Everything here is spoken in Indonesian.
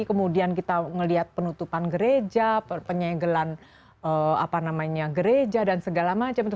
kemudian kita melihat penutupan gereja penyegelan gereja dan segala macam